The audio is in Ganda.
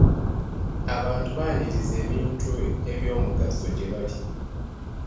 Abantu baaniriza ebintu eby'omugaso gye bali.